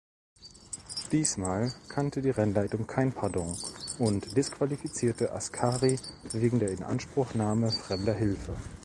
Diesmal kannte die Rennleitung kein Pardon und disqualifizierte Ascari wegen der Inanspruchnahme fremder Hilfe.